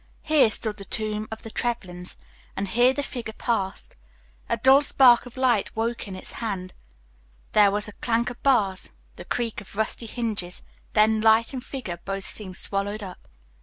Here stood the tomb of the Trevlyns, and here the figure paused. A dull spark of light woke in its hand, there was a clank of bars, the creak of rusty hinges, then light and figure both seemed swallowed up.